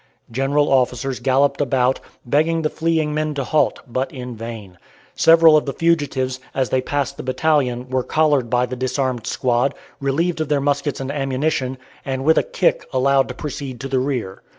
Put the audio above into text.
General officers galloped about, begging the fleeing men to halt, but in vain. Several of the fugitives, as they passed the battalion, were collared by the disarmed squad, relieved of their muskets and ammunition, and with a kick allowed to proceed to the rear.